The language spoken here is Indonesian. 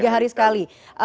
tiga hari sekali